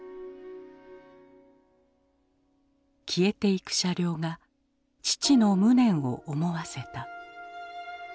消えていく車両が父の無念を思わせた。